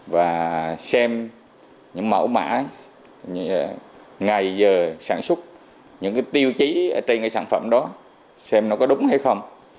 và xem những mẫu mã ngày giờ sản xuất những cái tiêu chí trên cái sản phẩm đó xem nó có đúng hay không